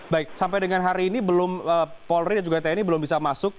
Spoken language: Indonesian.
baik sampai dengan hari ini belum polri dan juga tni belum bisa masuk